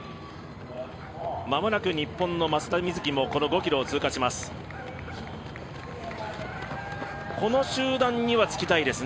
間もなく日本の松田瑞生もこの５ｋｍを通過します。